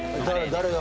誰が？